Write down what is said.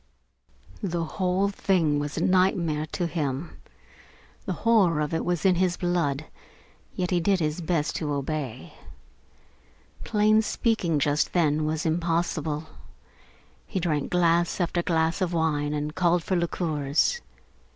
The whole thing was a nightmare to him. The horror of it was in his blood, yet he did his best to obey. Plain speaking just then was impossible. He drank glass after glass of wine and called for liqueurs.